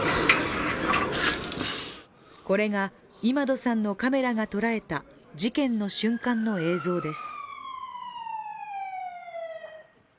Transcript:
これが、イマドさんのカメラが捉えた事件の瞬間の映像です。